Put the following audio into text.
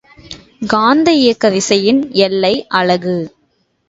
காந்த இயக்க விசையின் எல்லை அலகு.